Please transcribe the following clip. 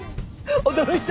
驚いた？